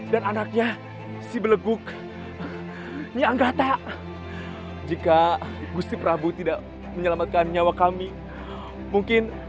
dan anaknya si belegug yang gata jika gusti prabu tidak menyelamatkan nyawa kami mungkin